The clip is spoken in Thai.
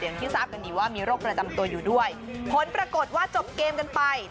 อย่างที่ทราบกันดีว่ามีโรคประจำตัวอยู่ด้วยผลปรากฏว่าจบเกมกันไป